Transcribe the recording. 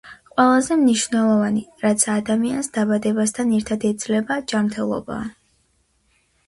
ყველაზე მნიშვნელოვანი, რაც ადამიანს დაბადებასთან ერთად ეძლევა, ჯანმრთელობაა.